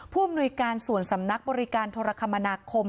ผู้อำนวยการส่วนสำนักบริการโทรคมนาคม